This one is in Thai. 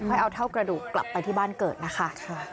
ให้เอาเท่ากระดูกกลับไปที่บ้านเกิดนะคะ